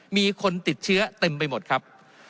มีคนติดเชื้อเต็มไปหมดครับ